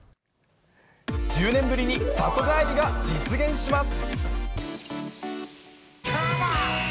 １０年ぶりに里帰りが実現します。